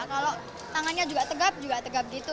kalau tangannya juga tegap juga tegap gitu